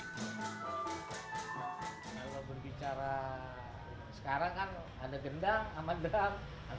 kalau berbicara sekarang kan